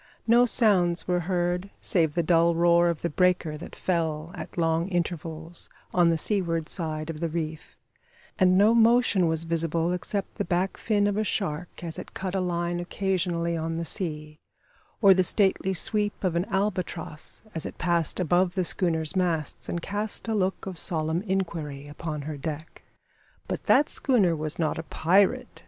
No sounds were heard save the dull roar of the breaker that fell, at long regular intervals, on the seaward side of the reef, and no motion was visible except the back fin of a shark as it cut a line occasionally on the sea, or the stately sweep of an albatross, as it passed above the schooner's masts and cast a look of solemn inquiry upon her deck. But that schooner was not a pirate.